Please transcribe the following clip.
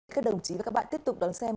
các đồng chí và các bạn tiếp tục đón xem